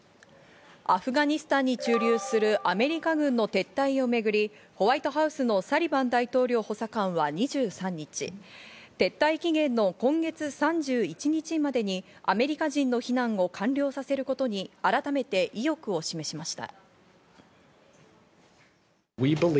アフガニスタンに駐留するアメリカ軍の撤退をめぐり、ホワイトハウスのサリバン大統領補佐官は２３日、撤退期限の今月３１日までにアメリカ人の避難を完了させることに改めて意欲を示しました。